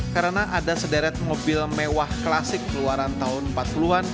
karena ada sederet mobil mewah klasik keluaran tahun empat puluh an